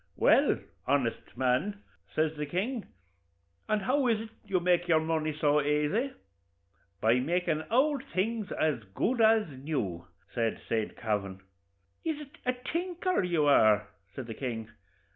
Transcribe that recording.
'Well, honest man,' says the king, 'and how is it you make your money so aisy?' 'By makin' ould things as good as new,' says Saint Kavin. 'Is it a tinker you are?' says the king.